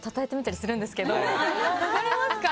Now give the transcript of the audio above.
分かりますか？